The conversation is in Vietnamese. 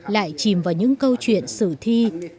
lại chìm vào những câu chuyện sử thi